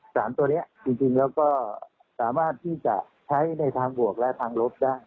สารตัวนี้จริงแล้วก็สามารถที่จะใช้ในทางบวกและทางลบได้